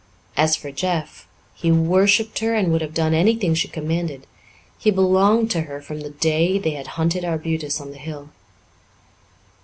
As for Jeff, he worshipped her and would have done anything she commanded. He belonged to her from the day they had hunted arbutus on the hill.